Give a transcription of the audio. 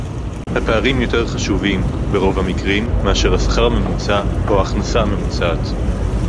הפערים יותר חשובים ברוב המקרים מאשר השכר הממוצע או ההכנסה הממוצעת